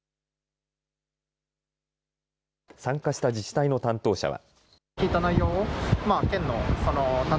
参加した自治体の担当者は。